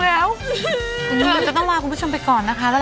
เวลาหมดลงแล้ว